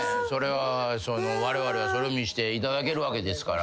われわれはそれを見していただけるわけですから。